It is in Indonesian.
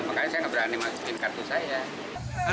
makanya saya tidak berani masukkan kartu saya